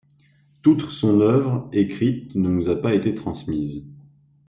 Toute son œuvre écrite ne nous a pas été transmise.